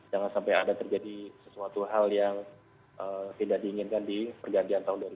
jangan sampai ada terjadi sesuatu hal yang tidak diinginkan di pergantian tahun dua ribu dua puluh